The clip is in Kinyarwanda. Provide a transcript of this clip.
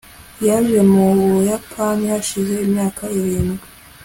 yaje mu buyapani hashize imyaka irindwi